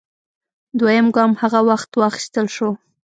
دویم ګام هغه وخت واخیستل شو